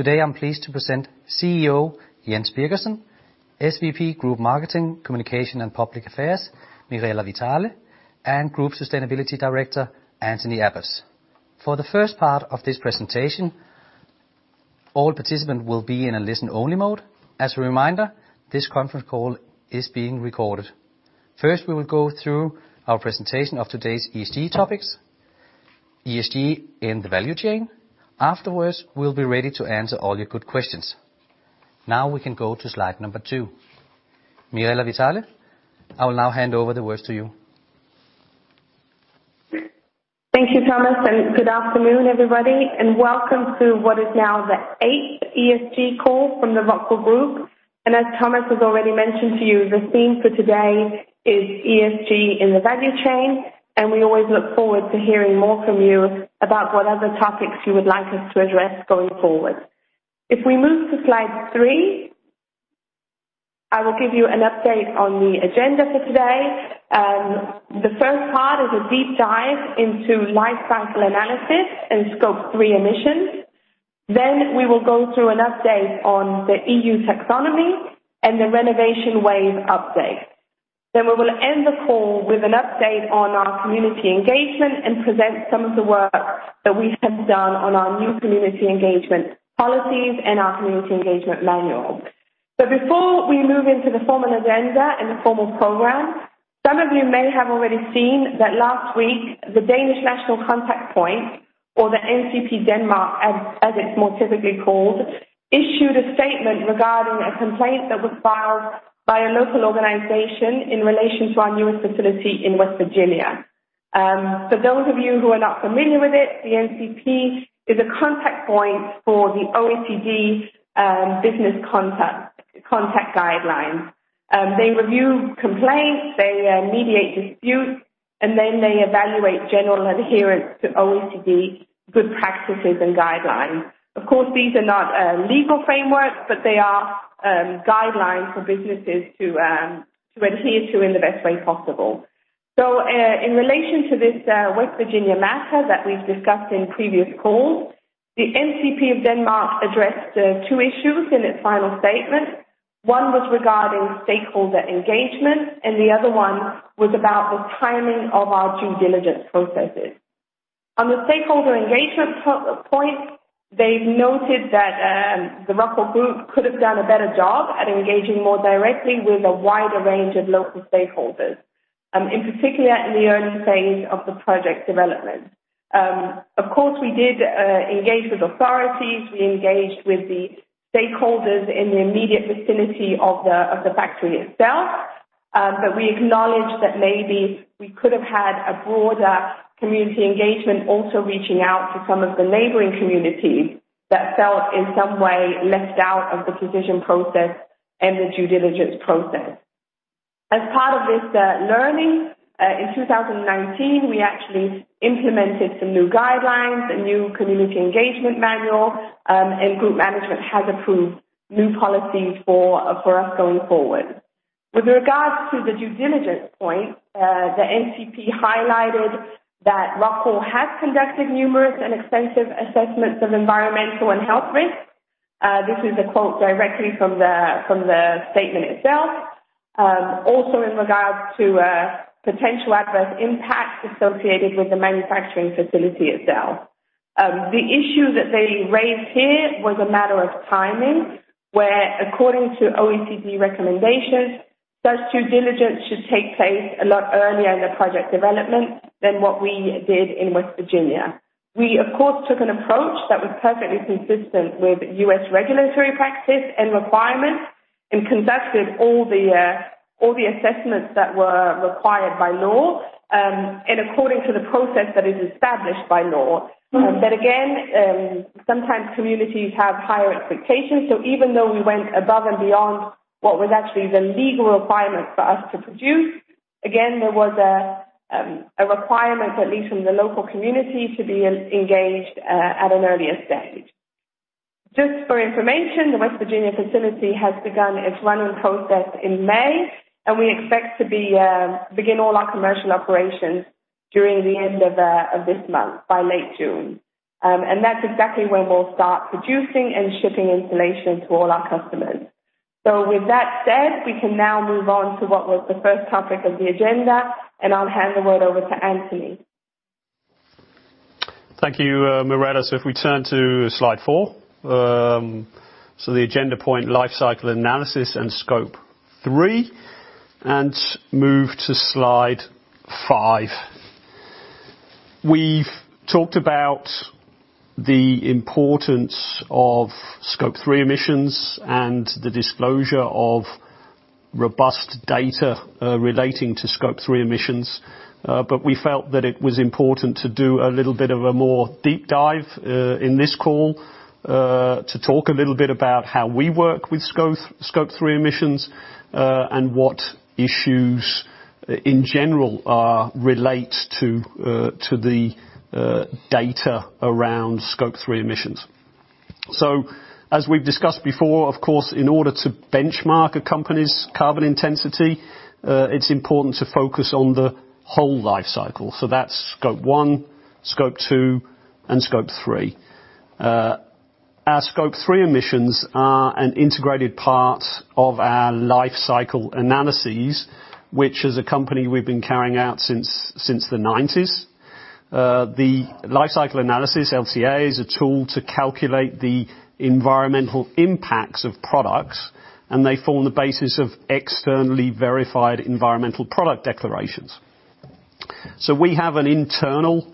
Today I'm pleased to present CEO Jens Birgersson, SVP Group Marketing, Communications, and Public Affairs, Mirella Vitale, and Group Sustainability Director, Anthony Abbotts. For the first part of this presentation, all participants will be in a listen-only mode. As a reminder, this conference call is being recorded. First, we will go through our presentation of today's ESG topics, ESG in the value chain. Afterwards, we'll be ready to answer all your good questions. Now we can go to slide number two. Mirella Vitale, I will now hand over the word to you. Thank you, Thomas, and good afternoon, everybody, and welcome to what is now the eighth ESG call from the ROCKWOOL Group, and as Thomas has already mentioned to you, the theme for today is ESG in the value chain, and we always look forward to hearing more from you about whatever topics you would like us to address going forward. If we move to slide three, I will give you an update on the agenda for today. The first part is a deep dive into Life Cycle Analysis and Scope 3 emissions. Then we will go through an update on the EU Taxonomy and the Renovation Wave update. Then we will end the call with an update on our community engagement and present some of the work that we have done on our new community engagement policies and our community engagement manual. But before we move into the formal agenda and the formal program, some of you may have already seen that last week the Danish National Contact Point, or the NCP Denmark, as it's more typically called, issued a statement regarding a complaint that was filed by a local organization in relation to our newest facility in West Virginia. For those of you who are not familiar with it, the NCP is a contact point for the OECD business conduct guidelines. They review complaints, they mediate disputes, and then they evaluate general adherence to OECD good practices and guidelines. Of course, these are not legal frameworks, but they are guidelines for businesses to adhere to in the best way possible. So in relation to this West Virginia matter that we've discussed in previous calls, the NCP of Denmark addressed two issues in its final statement. One was regarding stakeholder engagement, and the other one was about the timing of our due diligence processes. On the stakeholder engagement point, they've noted that the ROCKWOOL Group could have done a better job at engaging more directly with a wider range of local stakeholders, in particular in the early phase of the project development. Of course, we did engage with authorities, we engaged with the stakeholders in the immediate vicinity of the factory itself, but we acknowledged that maybe we could have had a broader community engagement also reaching out to some of the neighboring communities that felt in some way left out of the decision process and the due diligence process. As part of this learning, in 2019, we actually implemented some new guidelines, a new community engagement manual, and group management has approved new policies for us going forward. With regards to the due diligence point, the NCP highlighted that ROCKWOOL has conducted numerous and extensive assessments of environmental and health risks. This is a quote directly from the statement itself, also in regards to potential adverse impacts associated with the manufacturing facility itself. The issue that they raised here was a matter of timing, where according to OECD recommendations, such due diligence should take place a lot earlier in the project development than what we did in West Virginia. We, of course, took an approach that was perfectly consistent with U.S. regulatory practice and requirements and conducted all the assessments that were required by law and according to the process that is established by law. But again, sometimes communities have higher expectations, so even though we went above and beyond what was actually the legal requirement for us to produce, again, there was a requirement, at least from the local community, to be engaged at an earlier stage. Just for information, the West Virginia facility has begun its running process in May, and we expect to begin all our commercial operations during the end of this month, by late June. And that's exactly when we'll start producing and shipping insulation to all our customers. So with that said, we can now move on to what was the first topic of the agenda, and I'll hand the word over to Anthony. Thank you, Mirella, so if we turn to slide four, so the agenda point, Life Cycle Analysis and Scope 3, and move to slide five. We've talked about the importance of Scope 3 emissions and the disclosure of robust data relating to Scope 3 emissions, but we felt that it was important to do a little bit of a more deep dive in this call to talk a little bit about how we work with Scope 3 emissions and what issues in general relate to the data around Scope 3 emissions, so as we've discussed before, of course, in order to benchmark a company's carbon intensity, it's important to focus on the whole life cycle, so that's Scope 1, Scope 2, and Scope 3. Our Scope 3 emissions are an integrated part of our life cycle analyses, which as a company we've been carrying out since the 1990s. The Life Cycle Analysis, LCA, is a tool to calculate the environmental impacts of products, and they form the basis of externally verified environmental product declarations. So we have an internal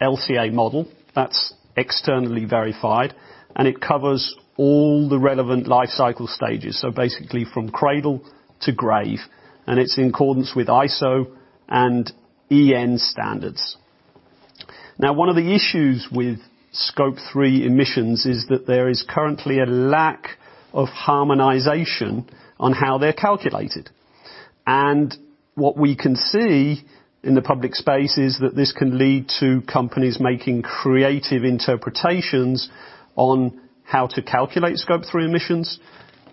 LCA model that's externally verified, and it covers all the relevant life cycle stages, so basically from cradle-to-grave, and it's in accordance with ISO and EN standards. Now, one of the issues with Scope 3 emissions is that there is currently a lack of harmonization on how they're calculated. And what we can see in the public space is that this can lead to companies making creative interpretations on how to calculate Scope 3 emissions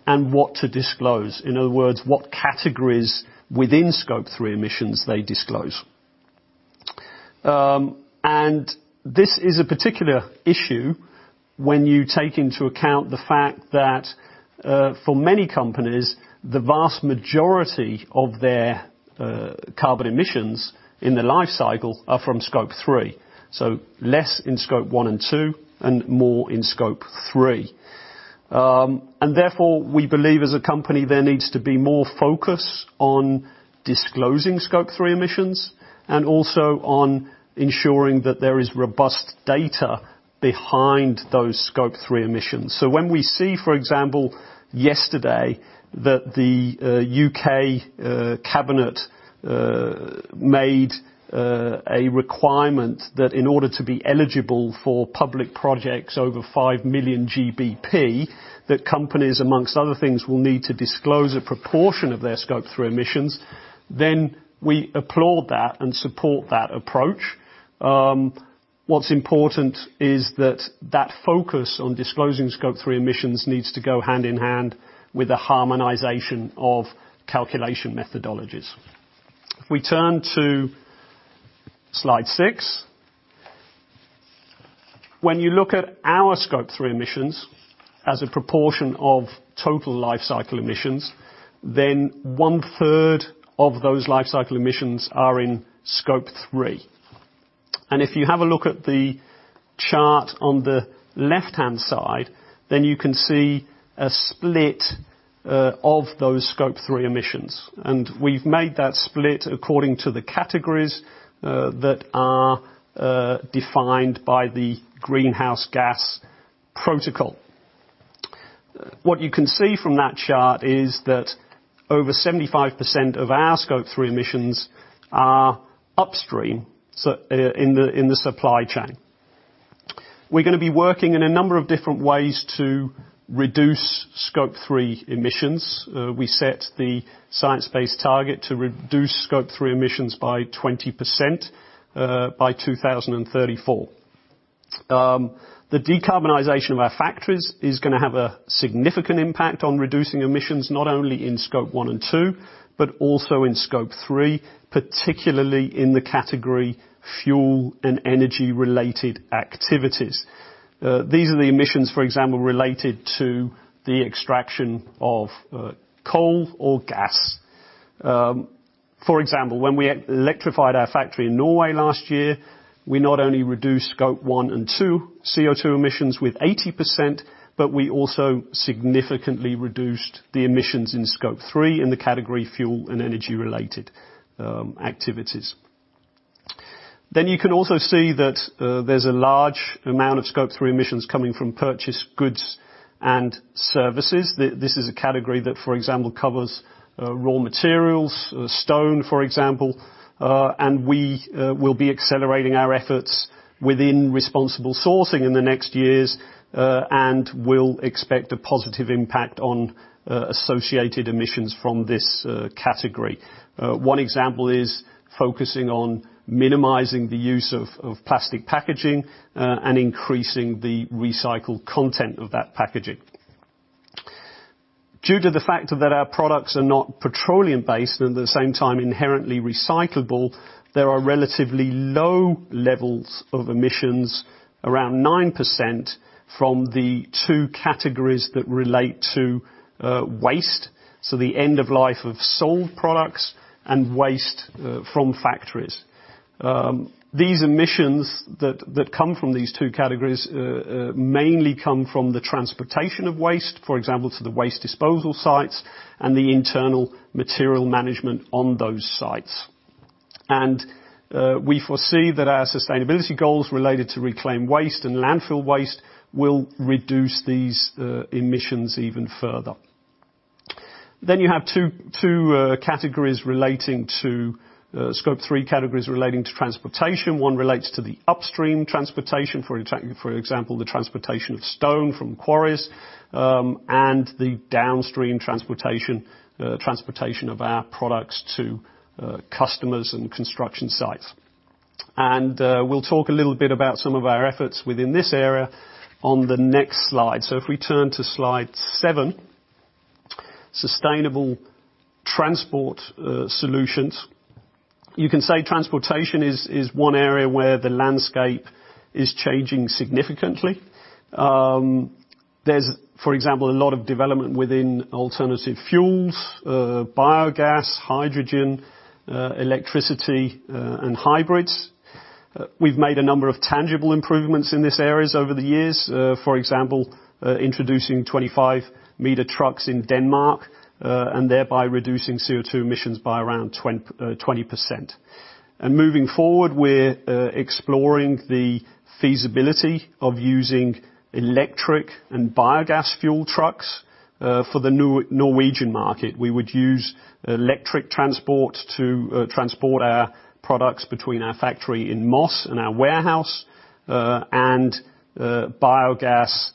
and what to disclose. In other words, what categories within Scope 3 emissions they disclose. And this is a particular issue when you take into account the fact that for many companies, the vast majority of their carbon emissions in the life cycle are from Scope 3, so less in Scope 1 and 2 and more in Scope 3. And therefore, we believe as a company there needs to be more focus on disclosing Scope 3 emissions and also on ensuring that there is robust data behind those Scope 3 emissions. So when we see, for example, yesterday that the U.K. Cabinet made a requirement that in order to be eligible for public projects over 5 million GBP, that companies, among other things, will need to disclose a proportion of their Scope 3 emissions, then we applaud that and support that approach. What's important is that that focus on disclosing Scope 3 emissions needs to go hand in hand with a harmonization of calculation methodologies. If we turn to slide six, when you look at our Scope 3 emissions as a proportion of total life cycle emissions, then one third of those life cycle emissions are in Scope 3, and if you have a look at the chart on the left-hand side, then you can see a split of those Scope 3 emissions, and we've made that split according to the categories that are defined by the Greenhouse Gas Protocol. What you can see from that chart is that over 75% of our Scope 3 emissions are upstream in the supply chain. We're going to be working in a number of different ways to reduce Scope 3 emissions. We set the science-based target to reduce Scope 3 emissions by 20% by 2034. The decarbonization of our factories is going to have a significant impact on reducing emissions not only in Scope 1 and 2, but also in Scope 3, particularly in the category fuel and energy-related activities. These are the emissions, for example, related to the extraction of coal or gas. For example, when we electrified our factory in Norway last year, we not only reduced Scope 1 and 2 CO2 emissions with 80%, but we also significantly reduced the emissions in Scope 3 in the category fuel and energy-related activities. Then you can also see that there's a large amount of Scope 3 emissions coming from purchased goods and services. This is a category that, for example, covers raw materials, stone, for example, and we will be accelerating our efforts within responsible sourcing in the next years and will expect a positive impact on associated emissions from this category. One example is focusing on minimizing the use of plastic packaging and increasing the recycled content of that packaging. Due to the fact that our products are not petroleum-based and at the same time inherently recyclable, there are relatively low levels of emissions, around 9%, from the two categories that relate to waste, so the end of life of sold products and waste from factories. These emissions that come from these two categories mainly come from the transportation of waste, for example, to the waste disposal sites and the internal material management on those sites, and we foresee that our sustainability goals related to reclaimed waste and landfill waste will reduce these emissions even further, then you have two categories relating to Scope 3 categories relating to transportation. One relates to the upstream transportation, for example, the transportation of stone from quarries and the downstream transportation of our products to customers and construction sites, and we'll talk a little bit about some of our efforts within this area on the next slide, so if we turn to slide seven, sustainable transport solutions, you can say transportation is one area where the landscape is changing significantly. There's, for example, a lot of development within alternative fuels, biogas, hydrogen, electricity, and hybrids. We've made a number of tangible improvements in this area over the years, for example, introducing 25-meter trucks in Denmark and thereby reducing CO2 emissions by around 20%, and moving forward, we're exploring the feasibility of using electric and biogas fuel trucks for the Norwegian market. We would use electric transport to transport our products between our factory in Moss and our warehouse and biogas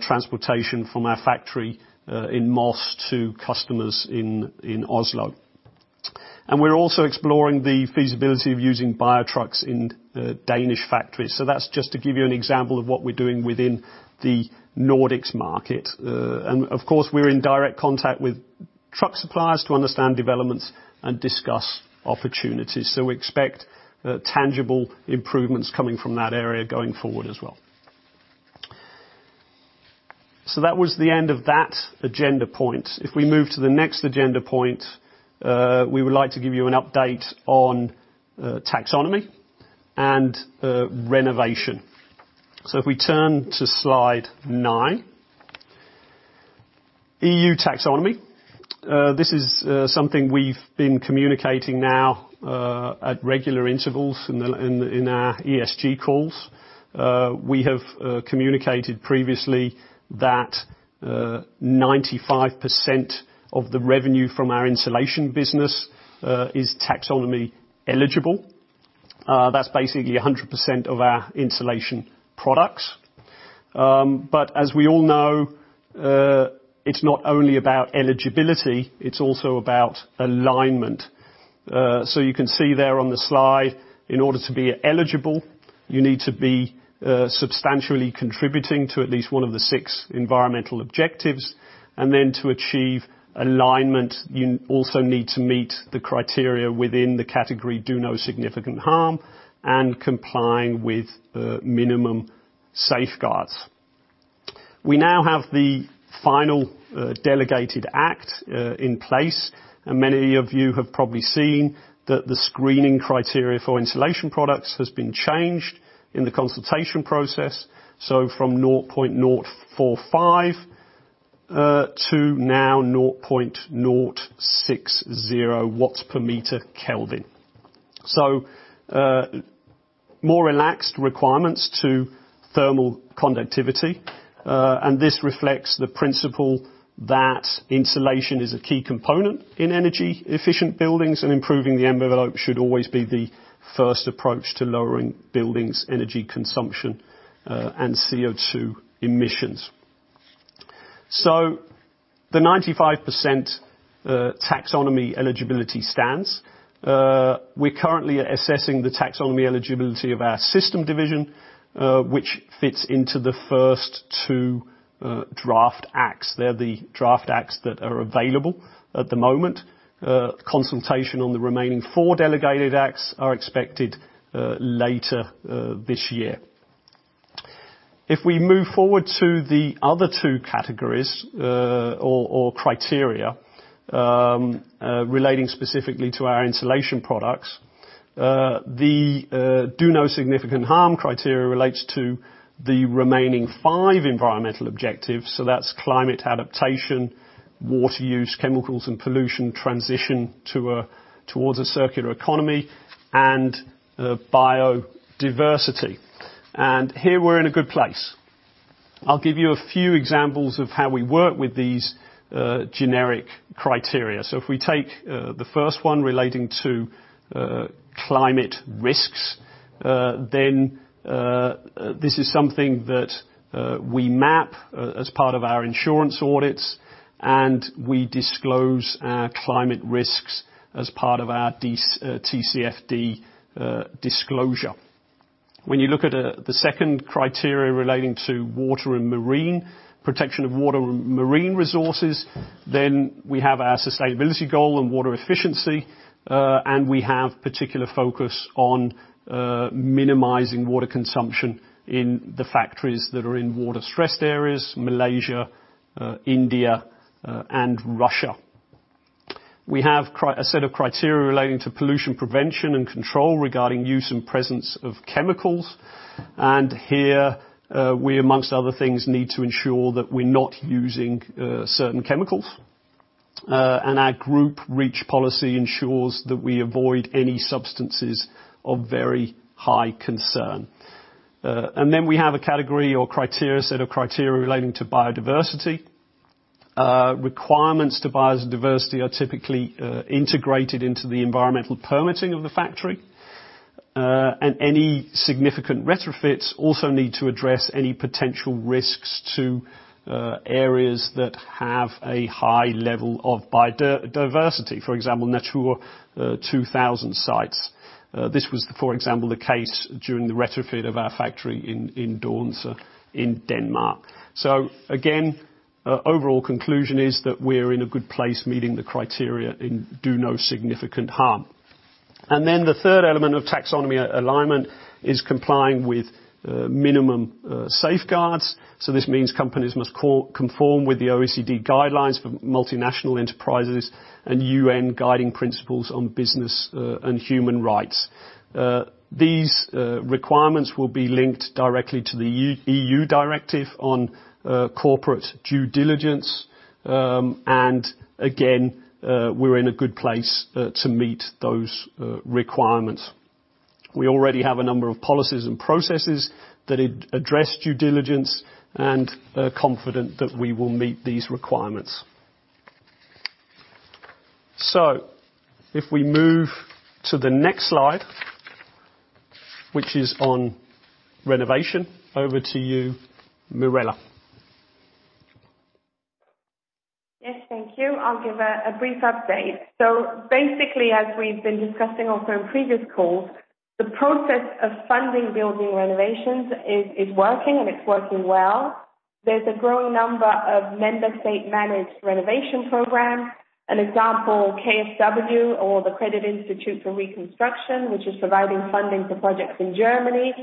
transportation from our factory in Moss to customers in Oslo. And we're also exploring the feasibility of using bio-trucks in Danish factories. So that's just to give you an example of what we're doing within the Nordics market. And of course, we're in direct contact with truck suppliers to understand developments and discuss opportunities. So we expect tangible improvements coming from that area going forward as well. So that was the end of that agenda point. If we move to the next agenda point, we would like to give you an update on Taxonomy and renovation. So if we turn to slide nine, EU Taxonomy, this is something we've been communicating now at regular intervals in our ESG calls. We have communicated previously that 95% of the revenue from our insulation business is Taxonomy eligible. That's basically 100% of our insulation products. But as we all know, it's not only about eligibility, it's also about alignment. So you can see there on the slide, in order to be eligible, you need to be substantially contributing to at least one of the six environmental objectives. And then to achieve alignment, you also need to meet the criteria within the category Do No Significant Harm and complying with Minimum Safeguards. We now have the final Delegated Act in place, and many of you have probably seen that the screening criteria for insulation products has been changed in the consultation process. So from 0.045 to now 0.060 Watts per meter Kelvin. So more relaxed requirements to thermal conductivity. This reflects the principle that insulation is a key component in energy-efficient buildings, and improving the envelope should always be the first approach to lowering buildings' energy consumption and CO2 emissions. The 95% Taxonomy eligibility stands. We're currently assessing the Taxonomy eligibility of our Systems division, which fits into the first two draft acts. They're the draft acts that are available at the moment. Consultation on the remaining four delegated acts are expected later this year. If we move forward to the other two categories or criteria relating specifically to our insulation products, the Do No Significant Harm criteria relates to the remaining five environmental objectives. That's climate adaptation, water use, chemicals and pollution transition towards a circular economy, and biodiversity. Here we're in a good place. I'll give you a few examples of how we work with these generic criteria. So if we take the first one relating to climate risks, then this is something that we map as part of our insurance audits, and we disclose our climate risks as part of our TCFD disclosure. When you look at the second criteria relating to water and marine protection of water and marine resources, then we have our sustainability goal and water efficiency, and we have particular focus on minimizing water consumption in the factories that are in water-stressed areas: Malaysia, India, and Russia. We have a set of criteria relating to pollution prevention and control regarding use and presence of chemicals. And here, we, amongst other things, need to ensure that we're not using certain chemicals. And our group REACH policy ensures that we avoid any substances of very high concern. And then we have a category or criteria, a set of criteria relating to biodiversity. Requirements to biodiversity are typically integrated into the environmental permitting of the factory, and any significant retrofits also need to address any potential risks to areas that have a high level of biodiversity, for example, Natura 2000 sites. This was, for example, the case during the retrofit of our factory in Doense in Denmark. So again, overall conclusion is that we're in a good place meeting the criteria in Do No Significant Harm. And then the third element of Taxonomy alignment is complying with Minimum Safeguards. So this means companies must conform with the OECD Guidelines for Multinational Enterprises and U.N. Guiding Principles on Business and Human Rights. These requirements will be linked directly to the EU Directive on Corporate Due Diligence. And again, we're in a good place to meet those requirements. We already have a number of policies and processes that address due diligence and are confident that we will meet these requirements. So if we move to the next slide, which is on renovation, over to you, Mirella. Yes, thank you. I'll give a brief update. So basically, as we've been discussing also in previous calls, the process of funding building renovations is working, and it's working well. There's a growing number of member-state managed renovation programs. An example, KfW or the Credit Institute for Reconstruction, which is providing funding for projects in Germany.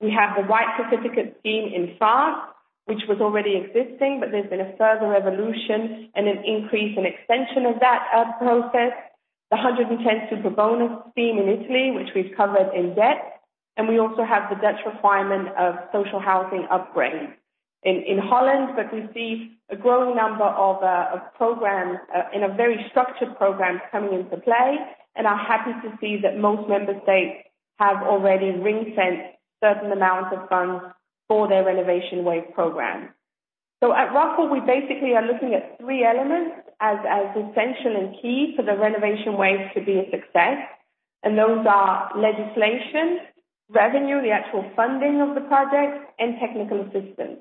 We have the White Certificates scheme in France, which was already existing, but there's been a further evolution and an increase and extension of that process. The 110% Superbonus scheme in Italy, which we've covered in depth. We also have the Dutch requirement of social housing upgrades in Holland, but we see a growing number of programs in a very structured program coming into play. I'm happy to see that most Member States have already ring-fenced certain amounts of funds for their Renovation Wave programs. At ROCKWOOL, we basically are looking at three elements as essential and key for the Renovation Wave to be a success. Those are legislation, revenue, the actual funding of the projects, and technical assistance.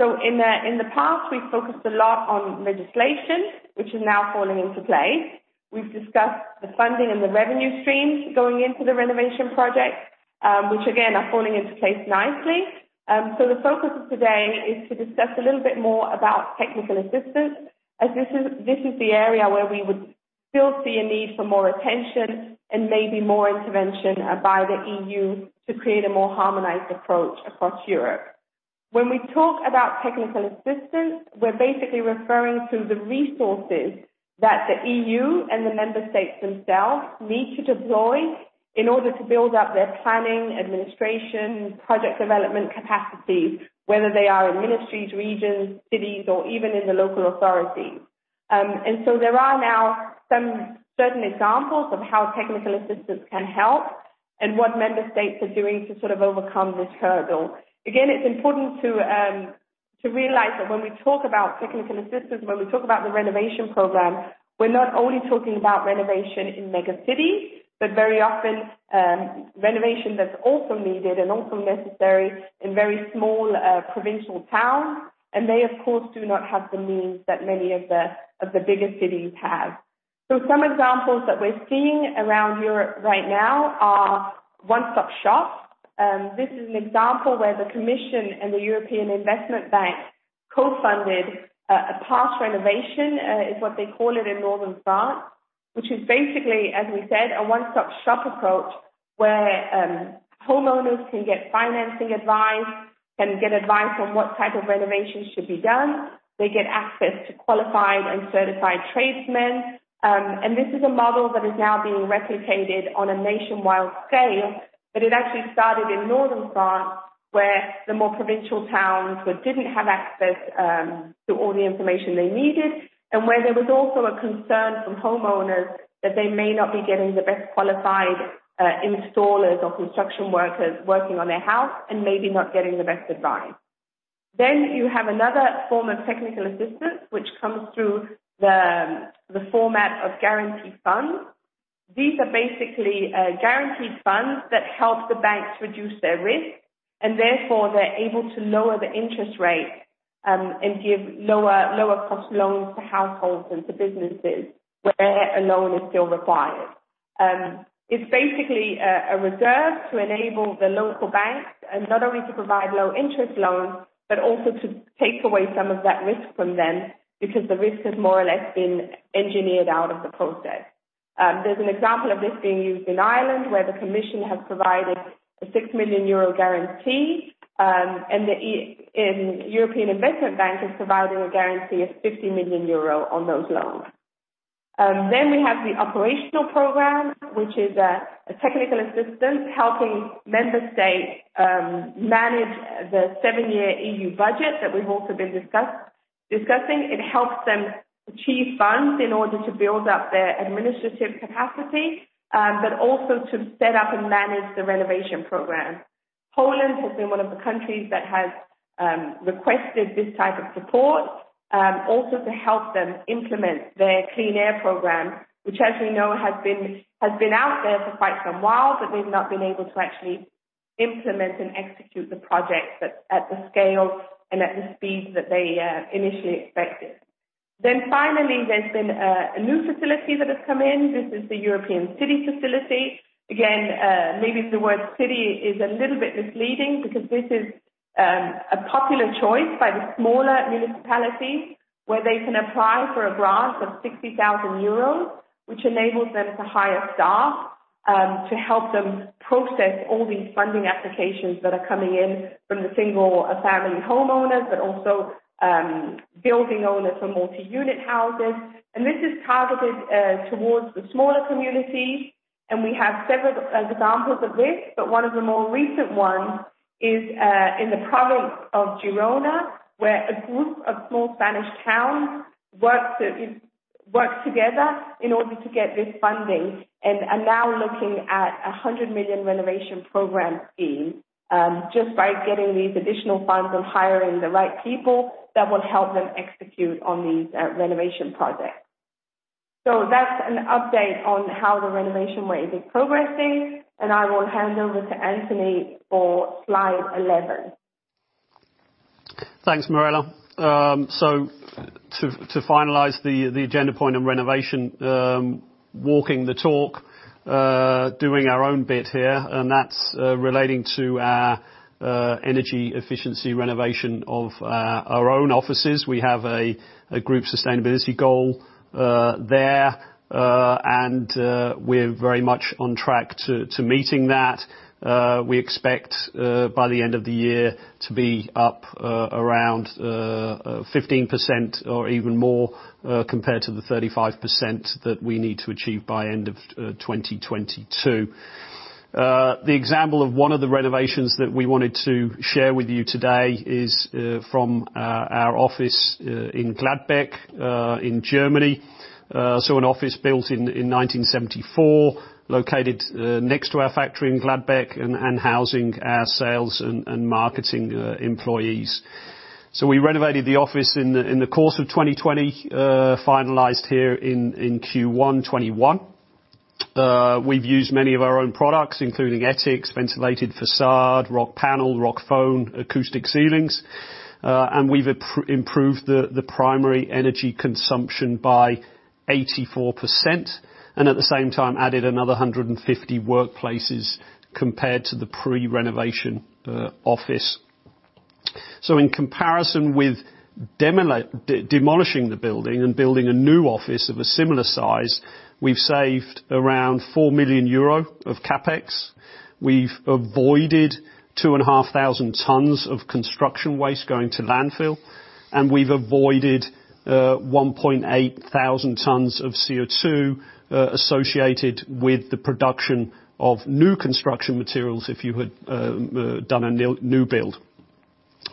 In the past, we focused a lot on legislation, which is now falling into place. We've discussed the funding and the revenue streams going into the renovation projects, which again are falling into place nicely. So the focus of today is to discuss a little bit more about technical assistance, as this is the area where we would still see a need for more attention and maybe more intervention by the EU to create a more harmonized approach across Europe. When we talk about technical assistance, we're basically referring to the resources that the EU and the Member States themselves need to deploy in order to build up their planning, administration, project development capacities, whether they are in ministries, regions, cities, or even in the local authorities. And so there are now some certain examples of how technical assistance can help and what Member States are doing to sort of overcome this hurdle. Again, it's important to realize that when we talk about technical assistance, when we talk about the renovation program, we're not only talking about renovation in megacities, but very often renovation that's also needed and also necessary in very small provincial towns. And they, of course, do not have the means that many of the bigger cities have. So some examples that we're seeing around Europe right now are one-stop shops. This is an example where the Commission and the European Investment Bank co-funded a Pass Rénovation, is what they call it in Northern France, which is basically, as we said, a one-stop shop approach where homeowners can get financing advice, can get advice on what type of renovations should be done. They get access to qualified and certified tradesmen. And this is a model that is now being replicated on a nationwide scale, but it actually started in Northern France where the more provincial towns didn't have access to all the information they needed and where there was also a concern from homeowners that they may not be getting the best qualified installers or construction workers working on their house and maybe not getting the best advice. Then you have another form of technical assistance, which comes through the format of guaranteed funds. These are basically guaranteed funds that help the banks reduce their risk, and therefore they're able to lower the interest rate and give lower-cost loans to households and to businesses where a loan is still required. It's basically a reserve to enable the local banks not only to provide low-interest loans, but also to take away some of that risk from them because the risk has more or less been engineered out of the process. There's an example of this being used in Ireland where the Commission has provided a 6 million euro guarantee, and the European Investment Bank is providing a guarantee of 50 million euro on those loans. Then we have the operational program, which is a technical assistance helping Member States manage the seven-year EU budget that we've also been discussing. It helps them achieve funds in order to build up their administrative capacity, but also to set up and manage the renovation program. Poland has been one of the countries that has requested this type of support, also to help them implement their Clean Air Programme, which, as we know, has been out there for quite some while, but they've not been able to actually implement and execute the projects at the scale and at the speed that they initially expected. Then finally, there's been a new facility that has come in. This is the European City Facility. Again, maybe the word city is a little bit misleading because this is a popular choice by the smaller municipalities where they can apply for a grant of 60,000 euros, which enables them to hire staff to help them process all these funding applications that are coming in from the single-family homeowners, but also building owners for multi-unit houses, and this is targeted towards the smaller communities. We have several examples of this, but one of the more recent ones is in the province of Girona, where a group of small Spanish towns worked together in order to get this funding and are now looking at a 100 million renovation program scheme just by getting these additional funds and hiring the right people that will help them execute on these renovation projects. That's an update on how the renovation wave is progressing. I will hand over to Anthony for slide 11. Thanks, Mirella. To finalize the agenda point on renovation, walking the talk, doing our own bit here, and that's relating to our energy efficiency renovation of our own offices. We have a group sustainability goal there, and we're very much on track to meeting that. We expect by the end of the year to be up around 15% or even more compared to the 35% that we need to achieve by end of 2022. The example of one of the renovations that we wanted to share with you today is from our office in Gladbeck in Germany. An office built in 1974, located next to our factory in Gladbeck and housing our sales and marketing employees. We renovated the office in the course of 2020, finalized here in Q1 2021. We've used many of our own products, including ETICS, ventilated façade, Rockpanel, Rockfon, acoustic ceilings. We've improved the primary energy consumption by 84% and at the same time added another 150 workplaces compared to the pre-renovation office. In comparison with demolishing the building and building a new office of a similar size, we've saved around 4 million euro of CapEx. We've avoided 2,500 tons of construction waste going to landfill, and we've avoided 1,800 tons of CO2 associated with the production of new construction materials if you had done a new build.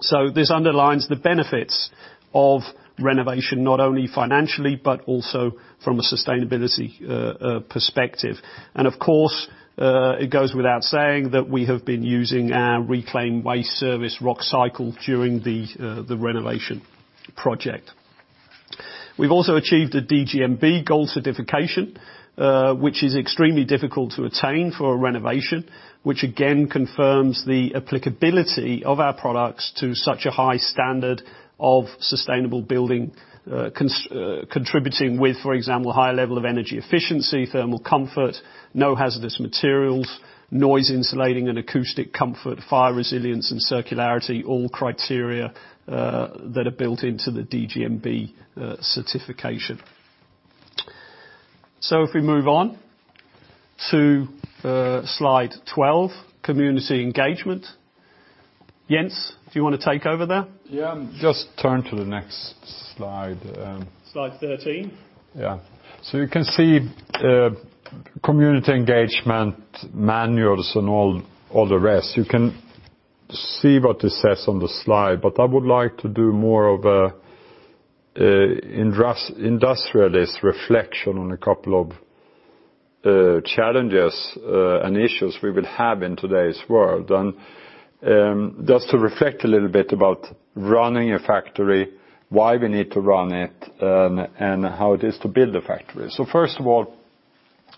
So this underlines the benefits of renovation, not only financially, but also from a sustainability perspective. And of course, it goes without saying that we have been using our reclaimed waste service Rockcycle during the renovation project. We've also achieved a DGNB Gold certification, which is extremely difficult to attain for a renovation, which again confirms the applicability of our products to such a high standard of sustainable building, contributing with, for example, a high level of energy efficiency, thermal comfort, no hazardous materials, noise insulating, and acoustic comfort, fire resilience, and circularity, all criteria that are built into the DGNB certification. So if we move on to slide 12, community engagement. Jens, do you want to take over there? Yeah, just turn to the next slide. Slide 13. Yeah. So you can see community engagement manuals and all the rest. You can see what it says on the slide, but I would like to do more of an industrialist reflection on a couple of challenges and issues we will have in today's world. And just to reflect a little bit about running a factory, why we need to run it, and how it is to build a factory. So first of all,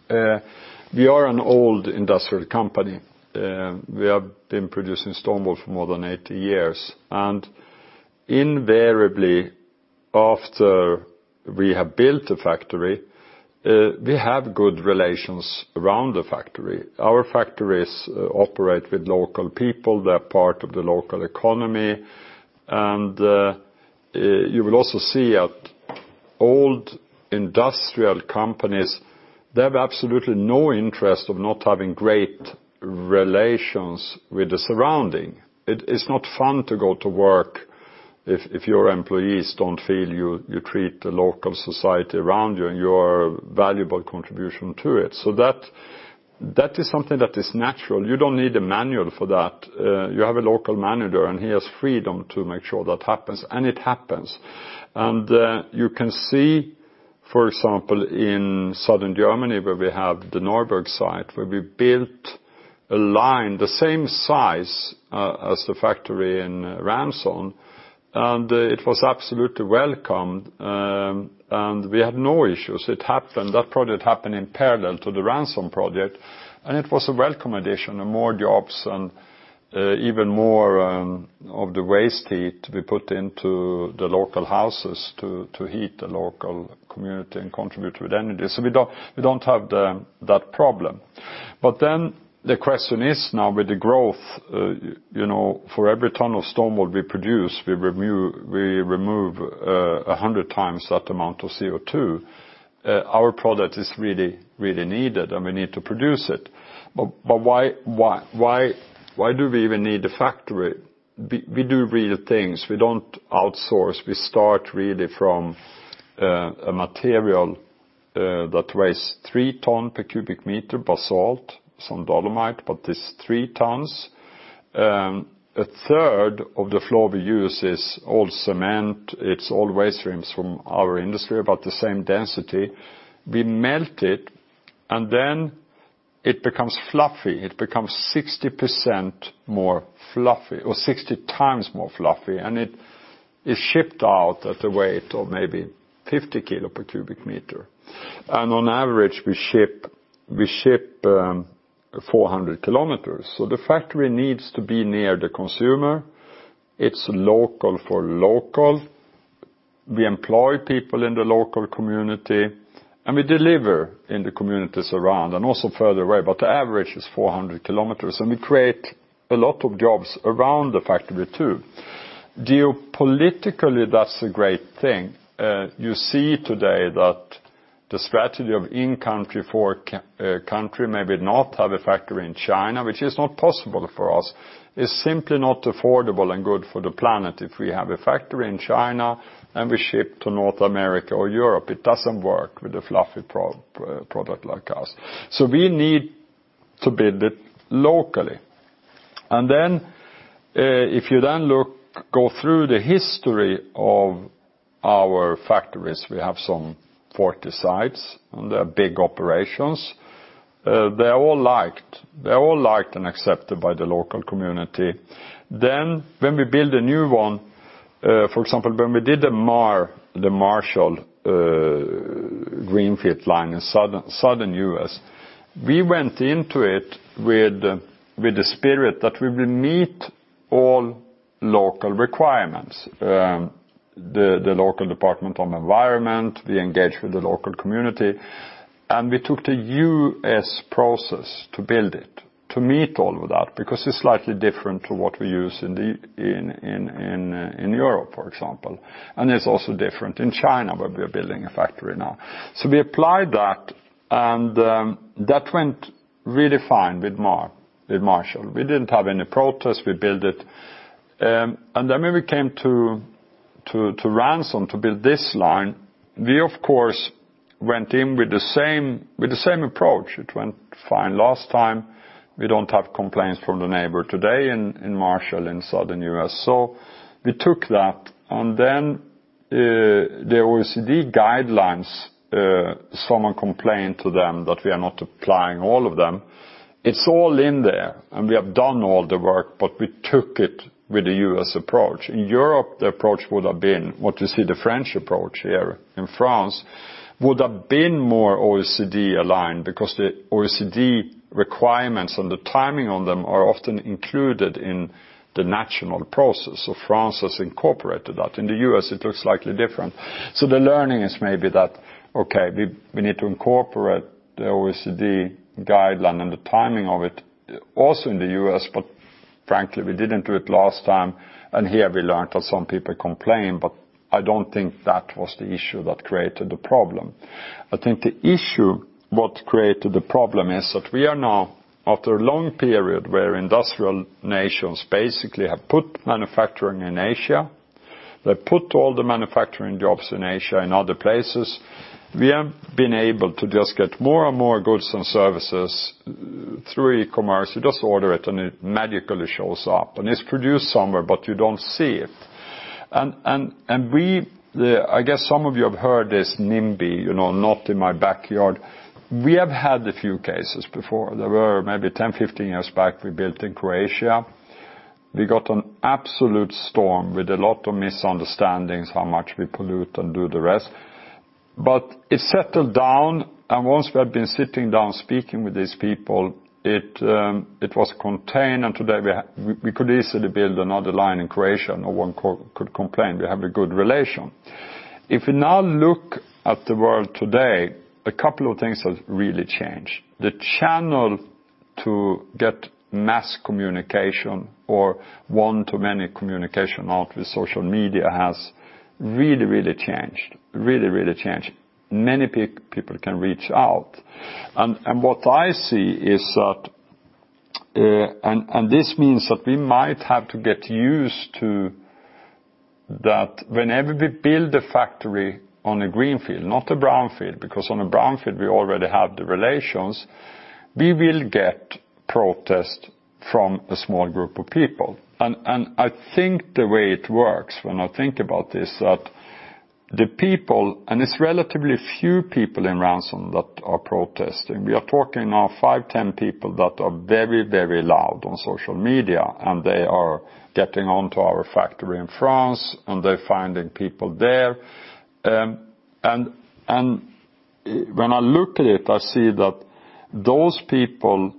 we are an old industrial company. We have been producing stone wool for more than 80 years. And invariably, after we have built a factory, we have good relations around the factory. Our factories operate with local people. They're part of the local economy. You will also see that old industrial companies, they have absolutely no interest in not having great relations with the surroundings. It's not fun to go to work if your employees don't feel you treat the local society around you and your valuable contribution to it. So that is something that is natural. You don't need a manual for that. You have a local manager, and he has freedom to make sure that happens. And it happens. And you can see, for example, in southern Germany, where we have the Neuburg site, where we built a line the same size as the factory in Ranson. And it was absolutely welcomed. And we had no issues. It happened. That project happened in parallel to the Ranson project. It was a welcome addition, more jobs, and even more of the waste heat we put into the local houses to heat the local community and contribute to the energy. So we don't have that problem. But then the question is now, with the growth, for every ton of stone wool we produce, we remove 100 times that amount of CO2. Our product is really, really needed, and we need to produce it. But why do we even need a factory? We do real things. We don't outsource. We start really from a material that weighs three tons per cubic meter basalt, some dolomite, but it's three tons. A third of the floor we use is old cement. It's old waste streams from our industry, about the same density. We melt it, and then it becomes fluffy. It becomes 60% more fluffy or 60x more fluffy. It's shipped out at a weight of maybe 50 kg per cubic m. On average, we ship 400 km. The factory needs to be near the consumer. It's local for local. We employ people in the local community, and we deliver in the communities around and also further away. The average is 400 km. We create a lot of jobs around the factory too. Geopolitically, that's a great thing. You see today that the strategy of in-country for a country maybe not have a factory in China, which is not possible for us, is simply not affordable and good for the planet if we have a factory in China and we ship to North America or Europe. It doesn't work with a fluffy product like ours. We need to build it locally. If you then go through the history of our factories, we have some 40 sites, and they're big operations. They're all liked. They're all liked and accepted by the local community. When we build a new one, for example, when we did the Marshall greenfield line in southern U.S., we went into it with the spirit that we will meet all local requirements, the local Department of Environment. We engaged with the local community, and we took the U.S. process to build it, to meet all of that because it's slightly different to what we use in Europe, for example. It's also different in China where we are building a factory now. We applied that, and that went really fine with Marshall. We didn't have any protest. We built it. And then when we came to Ranson to build this line, we, of course, went in with the same approach. It went fine last time. We don't have complaints from the neighbor today in Marshall in southern U.S. So we took that. And then the OECD guidelines, someone complained to them that we are not applying all of them. It's all in there, and we have done all the work, but we took it with the U.S. approach. In Europe, the approach would have been what you see the French approach here in France would have been more OECD aligned because the OECD requirements and the timing on them are often included in the national process. So France has incorporated that. In the U.S., it looks slightly different. The learning is maybe that, okay, we need to incorporate the OECD guideline and the timing of it also in the U.S., but frankly, we didn't do it last time. Here we learned that some people complain, but I don't think that was the issue that created the problem. I think the issue what created the problem is that we are now, after a long period where industrial nations basically have put manufacturing in Asia, they've put all the manufacturing jobs in Asia and other places, we have been able to just get more and more goods and services through e-commerce. You just order it, and it magically shows up. It's produced somewhere, but you don't see it. I guess some of you have heard this NIMBY, not in my backyard. We have had a few cases before. There were maybe 10-15 years back we built in Croatia. We got an absolute storm with a lot of misunderstandings, how much we pollute and do the rest, but it settled down and once we had been sitting down speaking with these people, it was contained, and today we could easily build another line in Croatia. No one could complain. We have a good relation. If we now look at the world today, a couple of things have really changed. The channel to get mass communication or one-to-many communication out with social media has really, really changed, really, really changed. Many people can reach out. And what I see is that, and this means that we might have to get used to that whenever we build a factory on a greenfield, not a brownfield, because on a brownfield we already have the relations. We will get protest from a small group of people. And I think the way it works when I think about this is that the people, and it's relatively few people in Ranson that are protesting. We are talking now five, 10 people that are very, very loud on social media, and they are getting onto our factory in France, and they're finding people there. And when I look at it, I see that those people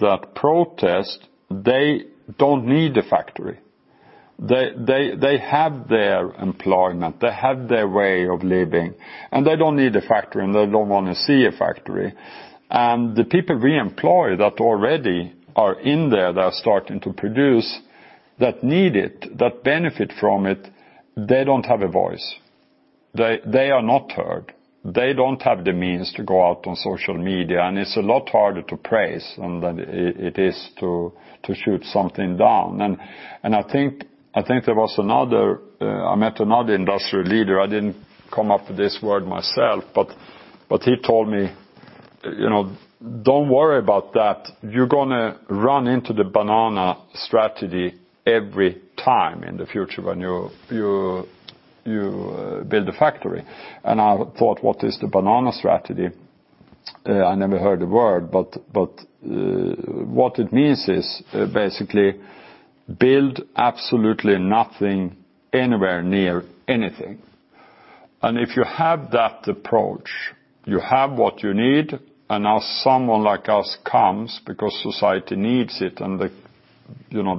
that protest, they don't need a factory. They have their employment. They have their way of living. And they don't need a factory, and they don't want to see a factory. And the people we employ that already are in there, that are starting to produce, that need it, that benefit from it, they don't have a voice. They are not heard. They don't have the means to go out on social media. And it's a lot harder to praise than it is to shoot something down. And I think there was another. I met another industrial leader. I didn't come up with this word myself, but he told me, "Don't worry about that. You're going to run into the BANANA strategy every time in the future when you build a factory." And I thought, "What is the banana strategy?" I never heard the word, but what it means is basically build absolutely nothing anywhere near anything. If you have that approach, you have what you need, and now someone like us comes because society needs it and the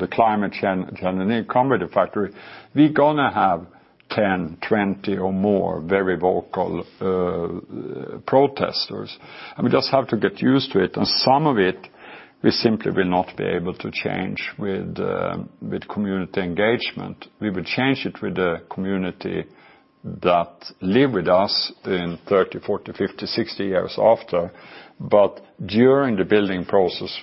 climate change and the need to come with a factory. We're going to have 10, 20, or more very vocal protesters. We just have to get used to it. Some of it, we simply will not be able to change with community engagement. We will change it with the community that live with us in 30, 40, 50, 60 years after. But during the building process,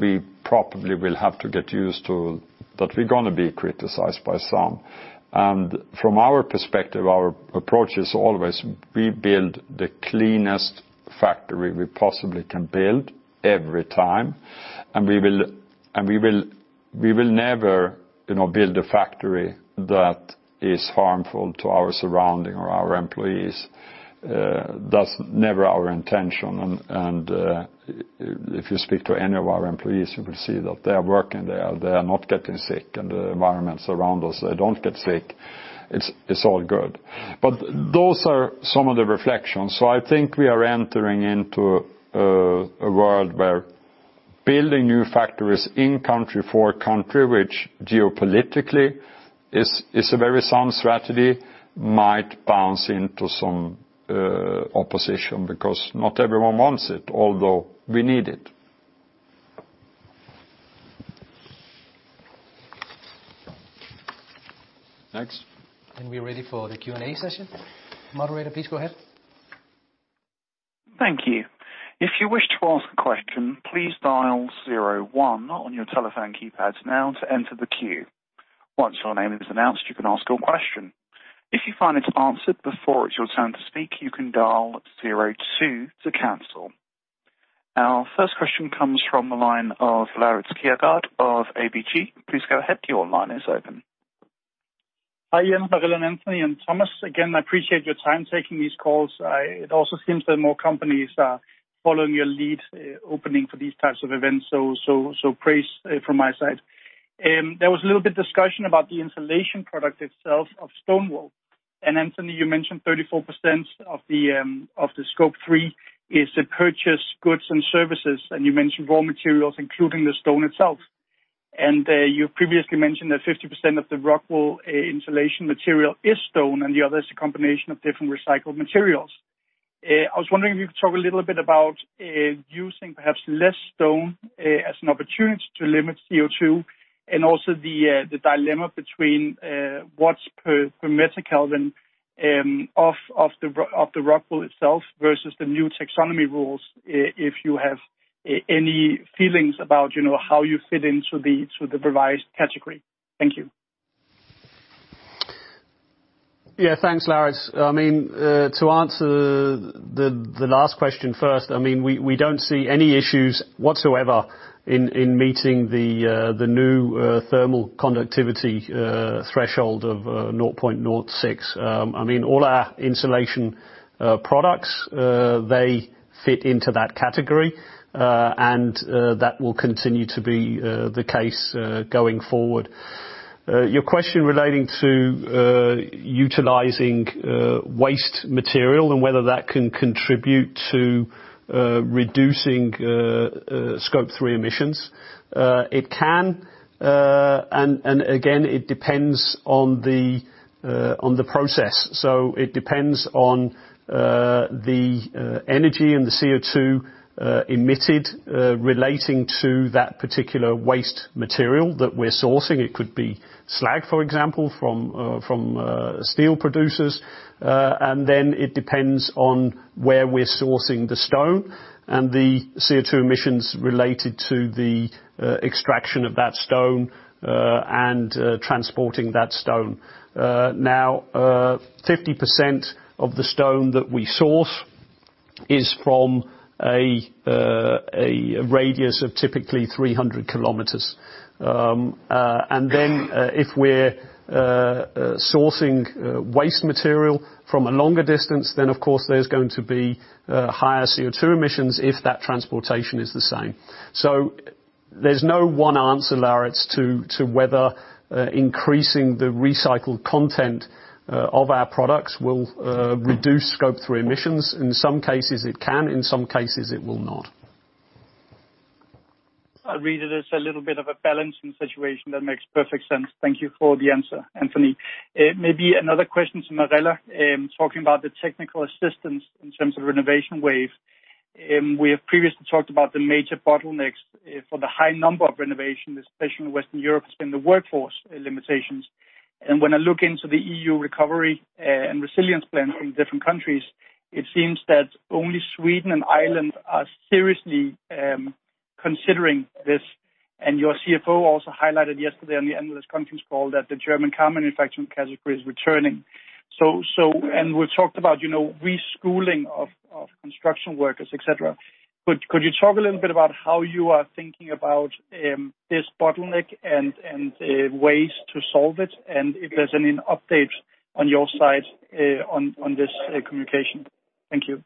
we probably will have to get used to that we're going to be criticized by some. From our perspective, our approach is always we build the cleanest factory we possibly can build every time. We will never build a factory that is harmful to our surrounding or our employees. That's never our intention. If you speak to any of our employees, you will see that they are working there. They are not getting sick, and the environments around us, they don't get sick. It's all good, but those are some of the reflections. I think we are entering into a world where building new factories in country for country, which geopolitically is a very sound strategy, might bounce into some opposition because not everyone wants it, although we need it. Next. We're ready for the Q&A session. Moderator, please go ahead. Thank you. If you wish to ask a question, please dial zero one on your telephone keypads now to enter the queue. Once your name is announced, you can ask your question. If you find it's answered before it's your turn to speak, you can dial zero two to cancel. Our first question comes from the line of Laurits Kjærgaard of ABG. Please go ahead. Your line is open. Hi, Jens, Mirella, Anthony, and Thomas. Again, I appreciate your time taking these calls. It also seems that more companies are following your lead opening for these types of events. So praise from my side. There was a little bit of discussion about the insulation product itself of stone wool. And Anthony, you mentioned 34% of the Scope 3 is purchased goods and services. And you mentioned raw materials, including the stone itself. And you previously mentioned that 50% of the stone wool insulation material is stone, and the other is a combination of different recycled materials. I was wondering if you could talk a little bit about using perhaps less stone as an opportunity to limit CO2 and also the dilemma between watts per meter Kelvin of the rock wool itself versus the new Taxonomy rules, if you have any feelings about how you fit into the revised category? Thank you. Yeah, thanks, Lauritz. I mean, to answer the last question first, I mean, we don't see any issues whatsoever in meeting the new thermal conductivity threshold of 0.06. I mean, all our insulation products, they fit into that category, and that will continue to be the case going forward. Your question relating to utilizing waste material and whether that can contribute to reducing Scope 3 emissions, it can. And again, it depends on the process. So it depends on the energy and the CO2 emitted relating to that particular waste material that we're sourcing. It could be slag, for example, from steel producers. And then it depends on where we're sourcing the stone and the CO2 emissions related to the extraction of that stone and transporting that stone. Now, 50% of the stone that we source is from a radius of typically 300 km. And then if we're sourcing waste material from a longer distance, then of course there's going to be higher CO2 emissions if that transportation is the same. So there's no one answer, Lauritz, to whether increasing the recycled content of our products will reduce Scope 3 emissions. In some cases, it can. In some cases, it will not. I'd read it as a little bit of a balancing situation that makes perfect sense. Thank you for the answer, Anthony. Maybe another question to Mirella, talking about the technical assistance in terms of Renovation Wave. We have previously talked about the major bottlenecks for the high number of renovations, especially in Western Europe, has been the workforce limitations. When I look into the EU recovery and resilience plans in different countries, it seems that only Sweden and Ireland are seriously considering this. Your CFO also highlighted yesterday at the end of this conference call that the German car manufacturing category is returning. We've talked about reskilling of construction workers, et cetera. Could you talk a little bit about how you are thinking about this bottleneck and ways to solve it? If there's any updates on your side on this communication. Thank you.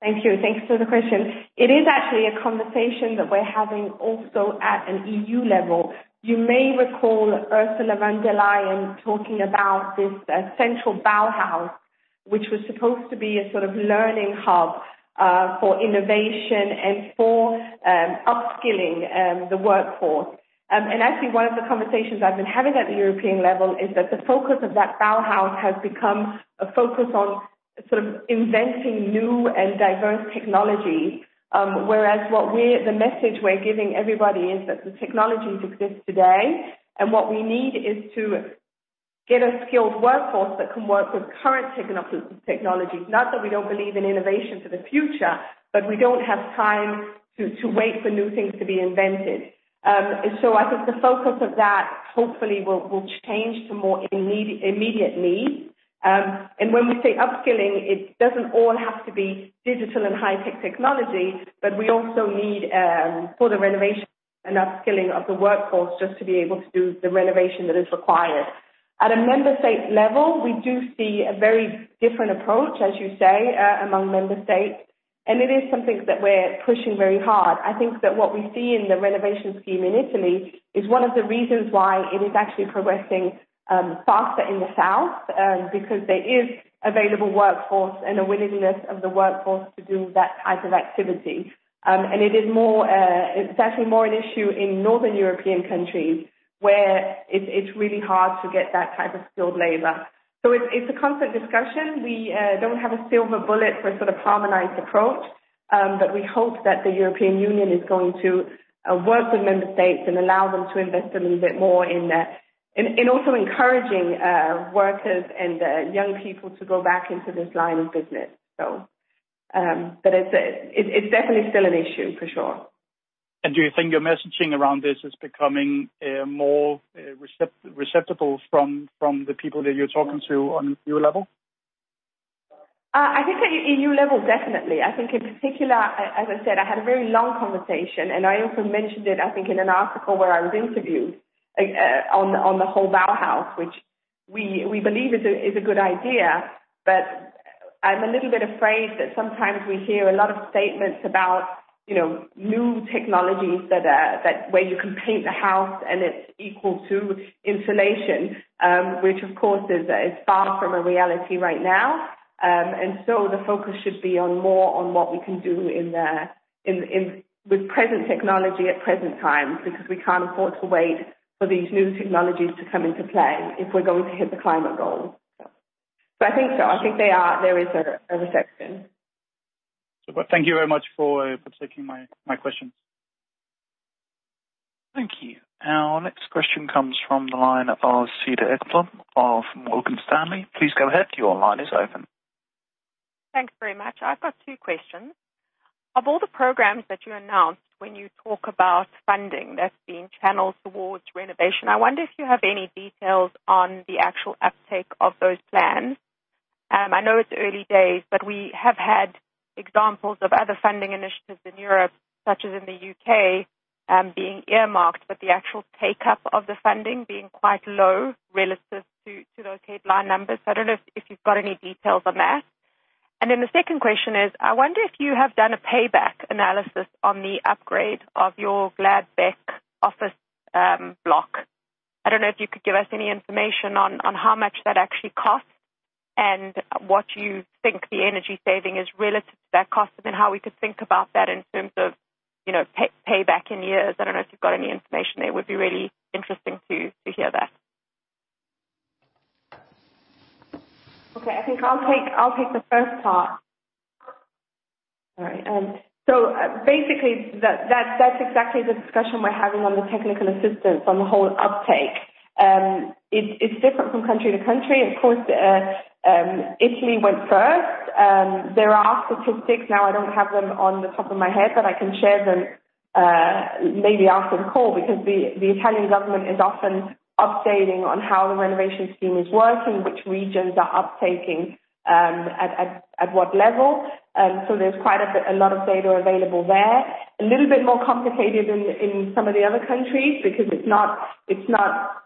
Thank you. Thanks for the question. It is actually a conversation that we're having also at an EU level. You may recall Ursula von der Leyen talking about this central Bauhaus, which was supposed to be a sort of learning hub for innovation and for upskilling the workforce. And actually, one of the conversations I've been having at the European level is that the focus of that Bauhaus has become a focus on sort of inventing new and diverse technologies, whereas the message we're giving everybody is that the technologies exist today. And what we need is to get a skilled workforce that can work with current technologies. Not that we don't believe in innovation for the future, but we don't have time to wait for new things to be invented. So I think the focus of that hopefully will change to more immediate needs. When we say upskilling, it doesn't all have to be digital and high-tech technology, but we also need for the renovation and upskilling of the workforce just to be able to do the renovation that is required. At a Member State level, we do see a very different approach, as you say, among Member States. It is something that we're pushing very hard. I think that what we see in the renovation scheme in Italy is one of the reasons why it is actually progressing faster in the south because there is available workforce and a willingness of the workforce to do that type of activity. It is actually more an issue in northern European countries where it's really hard to get that type of skilled labor. It's a constant discussion. We don't have a silver bullet for a sort of harmonized approach, but we hope that the European Union is going to work with Member States and allow them to invest a little bit more in also encouraging workers and young people to go back into this line of business. But it's definitely still an issue, for sure. And do you think your messaging around this is becoming more acceptable from the people that you're talking to on EU level? I think at EU level, definitely. I think in particular, as I said, I had a very long conversation, and I also mentioned it, I think, in an article where I was interviewed on the whole Bauhaus, which we believe is a good idea. But I'm a little bit afraid that sometimes we hear a lot of statements about new technologies where you can paint the house and it's equal to insulation, which of course is far from a reality right now, and so the focus should be more on what we can do with present technology at present times because we can't afford to wait for these new technologies to come into play if we're going to hit the climate goals, so I think so. I think there is a reception. Thank you very much for taking my questions. Thank you. Our next question comes from the line of Cedar Ekblom of Morgan Stanley. Please go ahead. Your line is open. Thanks very much. I've got two questions. Of all the programs that you announced, when you talk about funding that's being channeled towards renovation, I wonder if you have any details on the actual uptake of those plans. I know it's early days, but we have had examples of other funding initiatives in Europe, such as in the U.K., being earmarked, but the actual take-up of the funding being quite low relative to those headline numbers. So I don't know if you've got any details on that. And then the second question is, I wonder if you have done a payback analysis on the upgrade of your Gladbeck office block. I don't know if you could give us any information on how much that actually costs and what you think the energy saving is relative to that cost and then how we could think about that in terms of payback in years. I don't know if you've got any information. It would be really interesting to hear that. Okay. I think I'll take the first part. All right. So basically, that's exactly the discussion we're having on the technical assistance on the whole uptake. It's different from country to country. Of course, Italy went first. There are statistics. Now, I don't have them on the top of my head, but I can share them maybe after the call because the Italian government is often updating on how the renovation scheme is working, which regions are uptaking, at what level. So there's quite a lot of data available there. A little bit more complicated in some of the other countries because it's not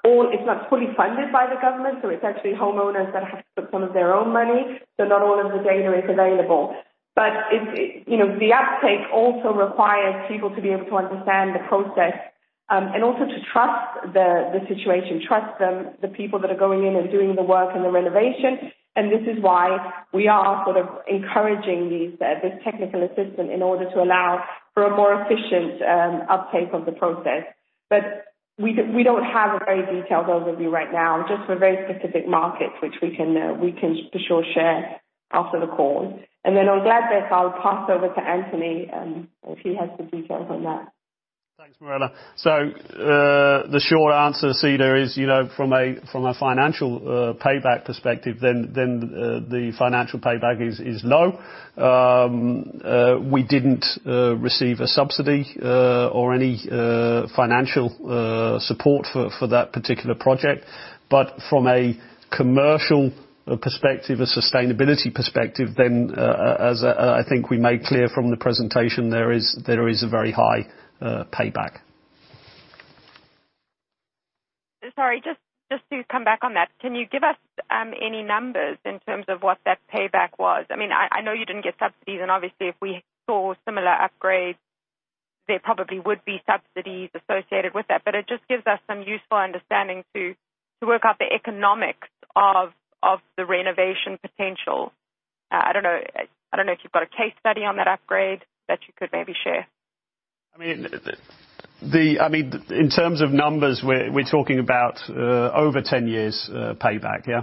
fully funded by the government. So it's actually homeowners that have to put some of their own money. So not all of the data is available. But the uptake also requires people to be able to understand the process and also to trust the situation, trust the people that are going in and doing the work and the renovation. And this is why we are sort of encouraging this technical assistance in order to allow for a more efficient uptake of the process. But we don't have a very detailed overview right now, just for very specific markets, which we can for sure share after the call. And then on Gladbeck, I'll pass over to Anthony if he has the details on that. Thanks, Mirella. So the short answer, Cedar, is from a financial payback perspective, then the financial payback is low. We didn't receive a subsidy or any financial support for that particular project. But from a commercial perspective, a sustainability perspective, then I think we made clear from the presentation there is a very high payback. Sorry, just to come back on that, can you give us any numbers in terms of what that payback was? I mean, I know you didn't get subsidies. And obviously, if we saw similar upgrades, there probably would be subsidies associated with that. But it just gives us some useful understanding to work out the economics of the renovation potential. I don't know if you've got a case study on that upgrade that you could maybe share. I mean, in terms of numbers, we're talking about over 10 years payback, yeah?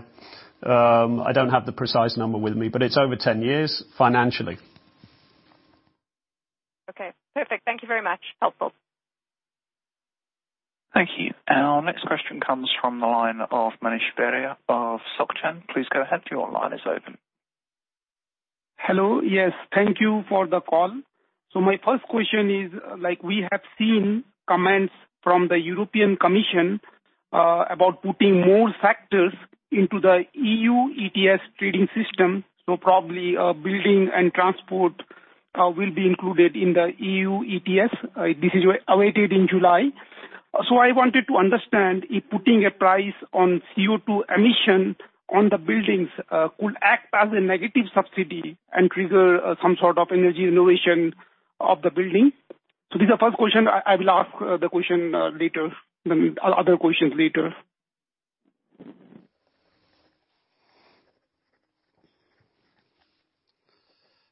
I don't have the precise number with me, but it's over 10 years financially. Okay. Perfect. Thank you very much. Helpful. Thank you. Our next question comes from the line of Manish Beria of SocGen. Please go ahead. Your line is open. Hello. Yes. Thank you for the call. So my first question is, we have seen comments from the European Commission about putting more factors into the EU ETS trading system. So probably building and transport will be included in the EU ETS. This is awaited in July. So I wanted to understand if putting a price on CO2 emissions on the buildings could act as a negative subsidy and trigger some sort of energy renovation of the building. So this is the first question. I will ask the question later, other questions later.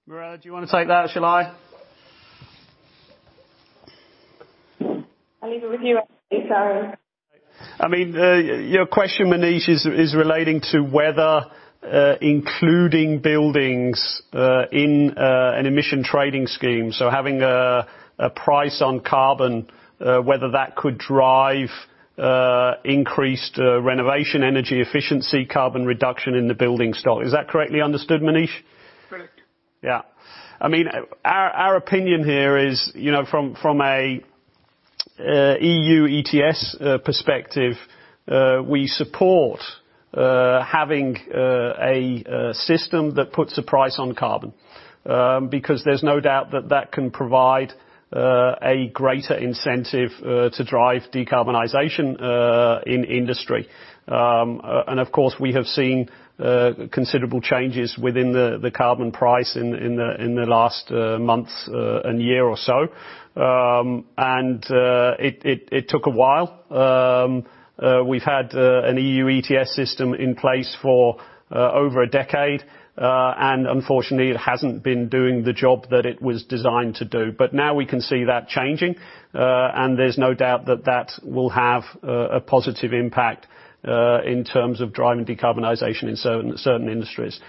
Mirella, do you want to take that, shall I? I'll leave it with you, Anthony. Sorry. I mean, your question, Manish, is relating to whether including buildings in an emissions trading scheme, so having a price on carbon, whether that could drive increased renovation energy efficiency, carbon reduction in the building stock. Is that correctly understood, Manish? Correct. Yeah. I mean, our opinion here is from an EU ETS perspective, we support having a system that puts a price on carbon because there's no doubt that that can provide a greater incentive to drive decarbonization in industry. And of course, we have seen considerable changes within the carbon price in the last month, a year or so. And it took a while. We've had an EU ETS system in place for over a decade. And unfortunately, it hasn't been doing the job that it was designed to do. But now we can see that changing. There's no doubt that that will have a positive impact in terms of driving decarbonization in certain industries.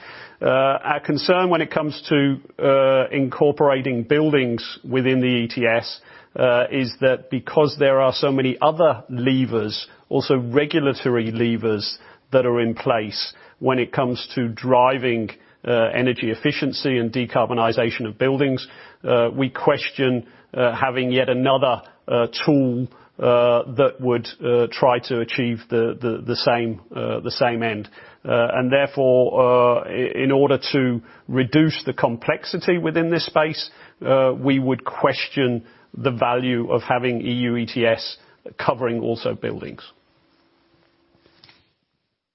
Our concern when it comes to incorporating buildings within the ETS is that because there are so many other levers, also regulatory levers that are in place when it comes to driving energy efficiency and decarbonization of buildings, we question having yet another tool that would try to achieve the same end. And therefore, in order to reduce the complexity within this space, we would question the value of having EU ETS covering also buildings.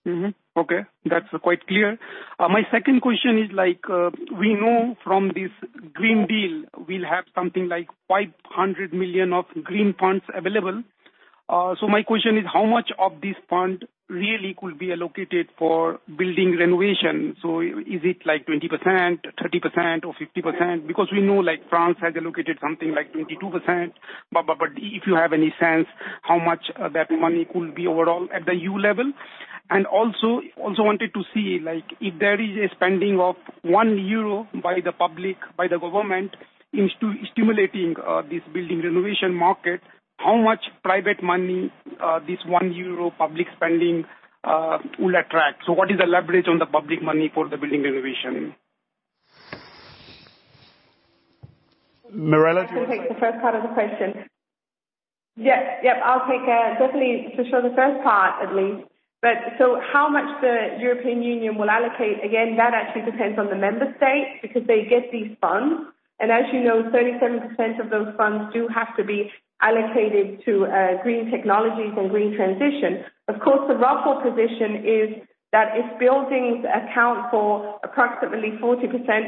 Okay. That's quite clear. My second question is, we know from this Green Deal, we'll have something like 500 million of green funds available. So my question is, how much of this fund really could be allocated for building renovation? So is it like 20%, 30%, or 50%? Because we know France has allocated something like 22%. But if you have any sense, how much that money could be overall at the EU level? And also wanted to see if there is a spending of one euro by the government in stimulating this building renovation market, how much private money this one euro public spending will attract? So what is the leverage on the public money for the building renovation? Mirella. Do you want to take the first part of the question? Yep. Yep. I'll take it. Definitely, for sure, the first part at least. So how much the European Union will allocate, again, that actually depends on the Member States because they get these funds. And as you know, 37% of those funds do have to be allocated to green technologies and green transition. Of course, the ROCKWOOL position is that if buildings account for approximately 40%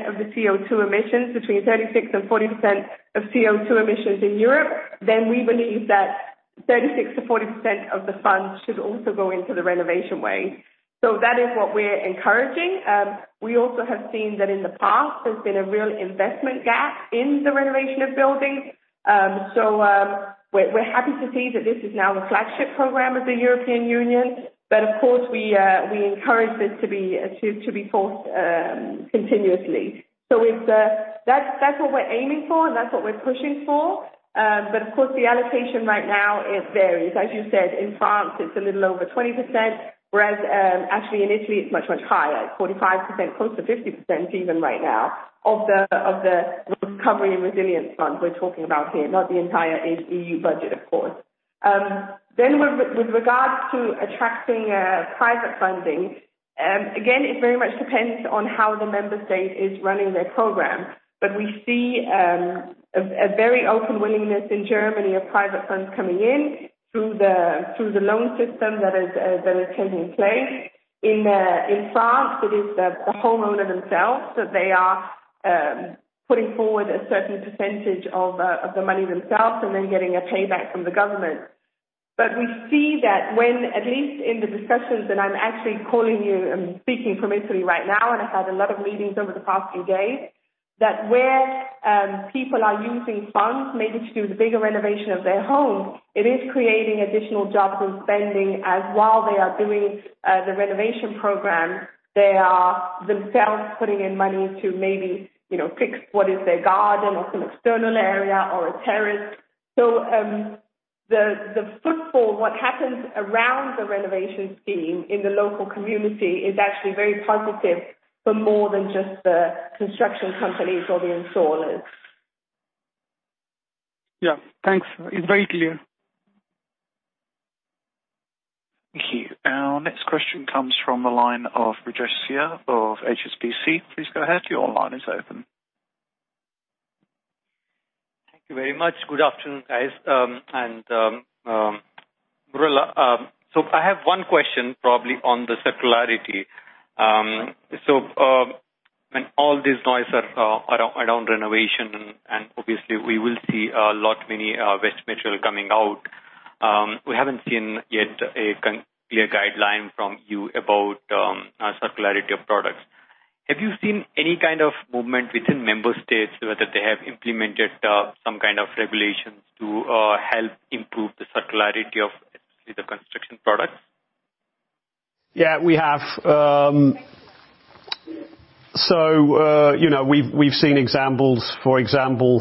of the CO2 emissions, between 36%-40% of CO2 emissions in Europe, then we believe that 36%-40% of the funds should also go into the Renovation Wave. So that is what we're encouraging. We also have seen that in the past, there's been a real investment gap in the renovation of buildings. So we're happy to see that this is now the flagship program of the European Union. But of course, we encourage this to be enforced continuously. So that's what we're aiming for, and that's what we're pushing for. But of course, the allocation right now varies. As you said, in France, it's a little over 20%, whereas actually in Italy, it's much, much higher, 45%, close to 50% even right now of the Recovery and Resilience Fund we're talking about here, not the entire EU budget, of course. Then with regards to attracting private funding, again, it very much depends on how the Member State is running their program. But we see a very open willingness in Germany of private funds coming in through the loan system that is taking place. In France, it is the homeowner themselves. So they are putting forward a certain percentage of the money themselves and then getting a payback from the government. But we see that when, at least in the discussions, and I'm actually calling you and speaking from Italy right now, and I've had a lot of meetings over the past few days, that where people are using funds maybe to do the bigger renovation of their homes, it is creating additional jobs and spending, as while they are doing the renovation program, they are themselves putting in money to maybe fix what is their garden or some external area or a terrace. So the footfall, what happens around the renovation scheme in the local community, is actually very positive for more than just the construction companies or the installers. Yeah. Thanks. It's very clear. Thank you. Our next question comes from the line of Brijesh Siya of HSBC. Please go ahead. Your line is open. Thank you very much. Good afternoon, guys. And, Mirella, so I have one question probably on the circularity. So when all this noise around renovation, and obviously, we will see a lot of many waste material coming out, we haven't seen yet a clear guideline from you about circularity of products. Have you seen any kind of movement within Member States, whether they have implemented some kind of regulations to help improve the circularity of the construction products? Yeah, we have. So we've seen examples, for example,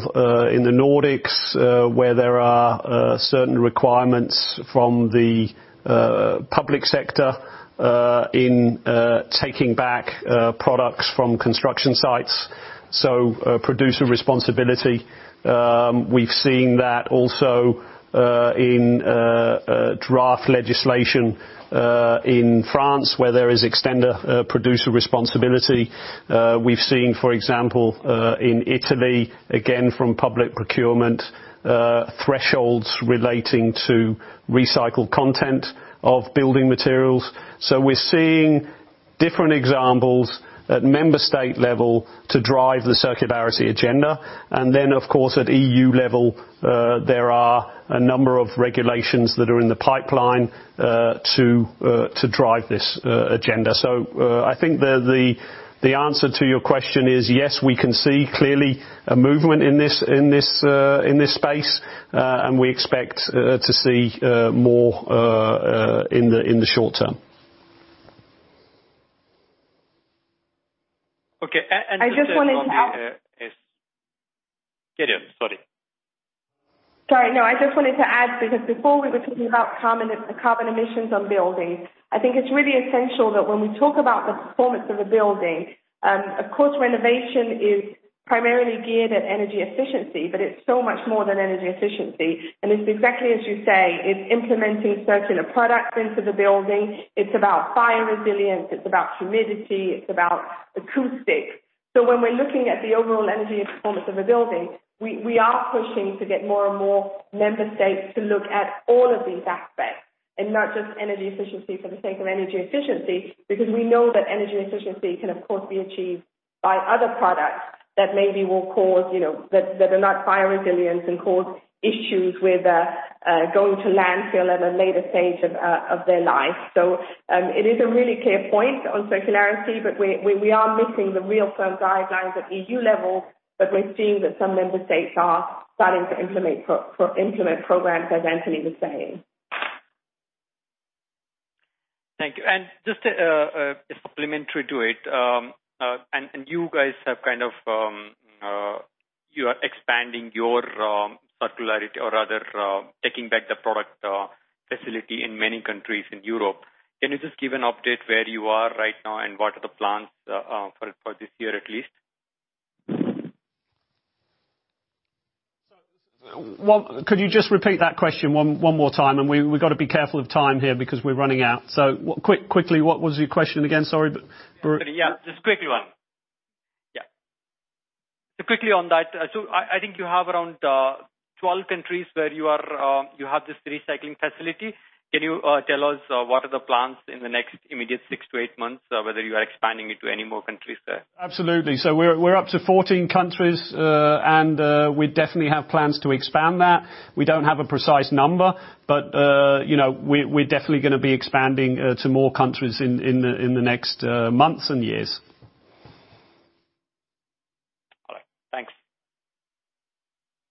in the Nordics where there are certain requirements from the public sector in taking back products from construction sites, so producer responsibility. We've seen that also in draft legislation in France where there is Extended Producer Responsibility. We've seen, for example, in Italy, again, from public procurement, thresholds relating to recycled content of building materials. So we're seeing different examples at Member State level to drive the circularity agenda. And then, of course, at EU level, there are a number of regulations that are in the pipeline to drive this agenda. So I think the answer to your question is, yes, we can see clearly a movement in this space, and we expect to see more in the short term. Okay. And. I just wanted to add because before we were talking about carbon emissions on buildings, I think it's really essential that when we talk about the performance of a building, of course, renovation is primarily geared at energy efficiency, but it's so much more than energy efficiency. And it's exactly as you say. It's implementing circular products into the building. It's about fire resilience. It's about humidity. It's about acoustics. So when we're looking at the overall energy performance of a building, we are pushing to get more and more Member States to look at all of these aspects and not just energy efficiency for the sake of energy efficiency because we know that energy efficiency can, of course, be achieved by other products that maybe will cause that are not fire resilient and cause issues with going to landfill at a later stage of their life. So it is a really clear point on circularity, but we are missing the real-time guidelines at EU level. But we're seeing that some Member States are starting to implement programs as Anthony was saying. Thank you. And just a supplementary to it, and you guys have kind of you are expanding your circularity or other taking back the product facility in many countries in Europe. Can you just give an update where you are right now and what are the plans for this year at least? Well, could you just repeat that question one more time? And we've got to be careful of time here because we're running out. So quickly, what was your question again? Sorry. Yeah. Just quickly one. Yeah. So quickly on that, so I think you have around 12 countries where you have this recycling facility. Can you tell us what are the plans in the next immediate six to eight months, whether you are expanding into any more countries there? Absolutely. So we're up to 14 countries, and we definitely have plans to expand that. We don't have a precise number, but we're definitely going to be expanding to more countries in the next months and years. Thanks.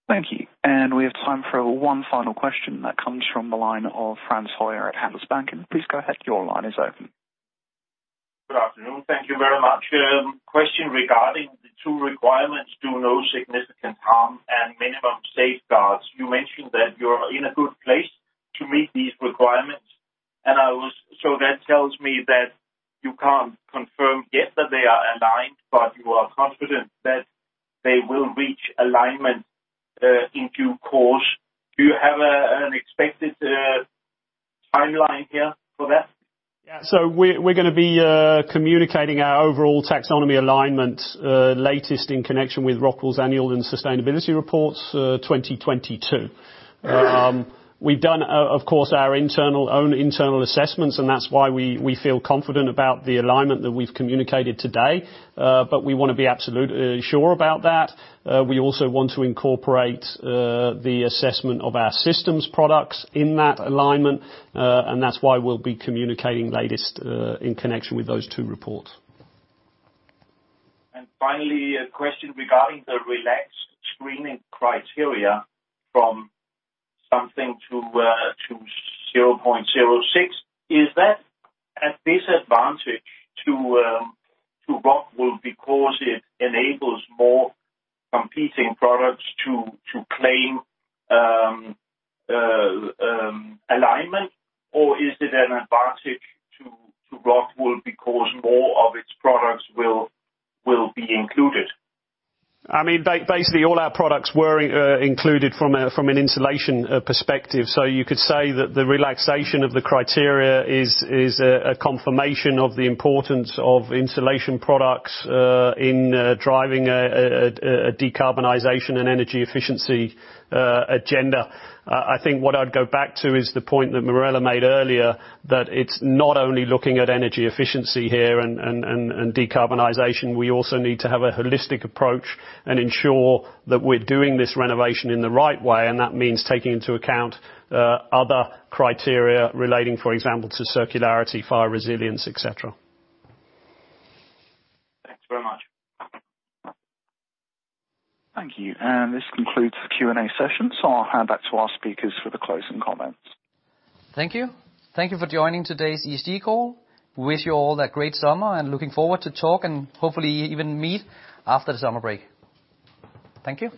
Thank you. And we have time for one final question that comes from the line of Frans Høyer at Handelsbanken. Please go ahead. Your line is open. Good afternoon. Thank you very much. Question regarding the two requirements to No Significant Harm and Minimum Safeguards. You mentioned that you're in a good place to meet these requirements. And so that tells me that you can't confirm yet that they are aligned, but you are confident that they will reach alignment in due course. Do you have an expected timeline here for that? Yeah. So we're going to be communicating our overall Taxonomy alignment latest in connection with ROCKWOOL's annual and sustainability reports 2022. We've done, of course, our own internal assessments, and that's why we feel confident about the alignment that we've communicated today. But we want to be absolutely sure about that. We also want to incorporate the assessment of our Systems products in that alignment, and that's why we'll be communicating latest in connection with those two reports. And finally, a question regarding the relaxed screening criteria from something to 0.06. Is that a disadvantage to ROCKWOOL because it enables more competing products to claim alignment, or is it an advantage to ROCKWOOL because more of its products will be included? I mean, basically, all our products were included from an insulation perspective. So you could say that the relaxation of the criteria is a confirmation of the importance of insulation products in driving a decarbonization and energy efficiency agenda. I think what I'd go back to is the point that Mirella made earlier, that it's not only looking at energy efficiency here and decarbonization. We also need to have a holistic approach and ensure that we're doing this renovation in the right way. And that means taking into account other criteria relating, for example, to circularity, fire resilience, et cetera. Thanks very much. Thank you. And this concludes the Q&A session. So I'll hand back to our speakers for the closing comments. Thank you. Thank you for joining today's ESG call. Wish you all a great summer and looking forward to talk and hopefully even meet after the summer break. Thank you.